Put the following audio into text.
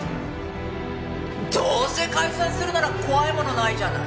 どうせ解散するなら怖いものないじゃない。